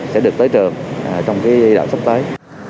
sẽ được tới trường trong cái đợt sắp tới